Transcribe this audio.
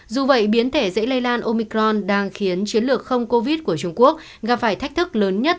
dù vậy biến thể dễ lây lan omicron đang khiến chiến lược không covid của trung quốc gặp phải thách thức lớn nhất